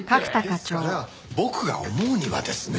ですから僕が思うにはですね。